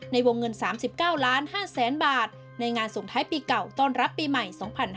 ในวงเงิน๓๙๕๐๐๐๐บาทในงานส่งท้ายปีเก่าต้อนรับปีใหม่๒๕๕๙